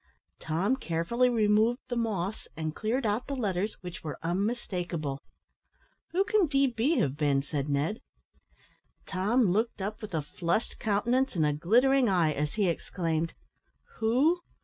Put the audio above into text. Tom carefully removed the moss, and cleared out the letters, which were unmistakeable. "Who can DB have been?" said Ned. Tom looked up with a flushed countenance and a glittering eye, as he exclaimed "Who?